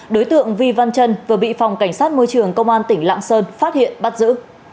đối tượng vi văn trân vừa bị phòng cảnh sát môi trường công an tỉnh lạng sơn phát hiện bắt giữ